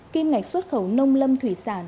kim ngạch xuất khẩu nông lâm thủy sản